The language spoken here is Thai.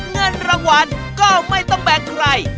เงินรางวัลก็ไม่ต้องแบ่งใคร